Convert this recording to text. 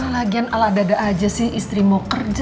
lagian ala dada aja sih istri mau kerja